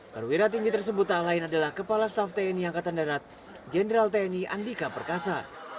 perwira tinggi tersebut alain adalah kepala staf tni angkatan darat general tni andika perkasa